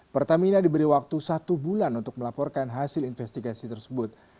pertamina diberi waktu satu bulan untuk melaporkan hasil investigasi tersebut